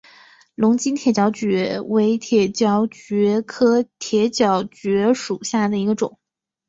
龙津铁角蕨为铁角蕨科铁角蕨属下的一个种。